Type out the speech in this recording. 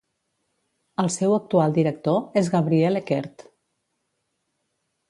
El seu actual director és Gabriel Eckert.